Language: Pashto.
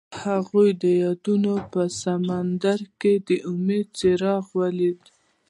هغه د یادونه په سمندر کې د امید څراغ ولید.